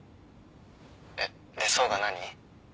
えっで想が何？